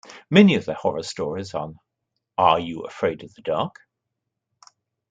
Many of the horror stories on Are You Afraid of the Dark?